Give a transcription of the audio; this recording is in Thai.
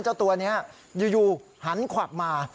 เจ้าตัวนี้อยู่หันขวักมา